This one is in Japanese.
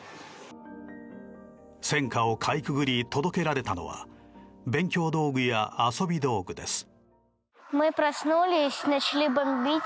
戦火をかいくぐり届けられたのは勉強道具や遊び道具です。